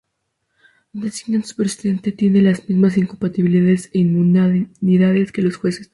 Designan su presidente y tienen las mismas incompatibilidades e inmunidades que los jueces.